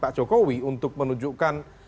pak jokowi untuk menunjukkan